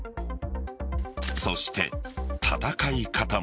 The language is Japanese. そして、戦い方も。